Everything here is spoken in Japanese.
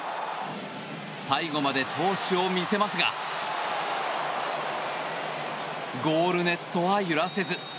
最後まで闘志を見せますがゴールネットは揺らせず。